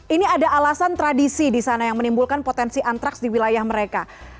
ini ada alasan tradisi di sana yang menimbulkan potensi antraks di wilayah mereka